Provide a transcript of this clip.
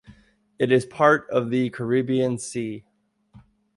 It is part of the Caribbean Sea.